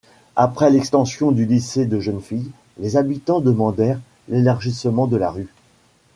Après l'extension du lycée de jeunes filles, les habitants demandèrent l'élargissement de la rue.